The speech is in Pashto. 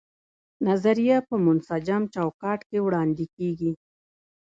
نظریه په منسجم چوکاټ کې وړاندې کیږي.